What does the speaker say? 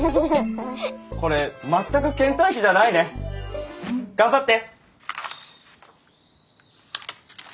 これ全くけん怠期じゃないね。頑張って！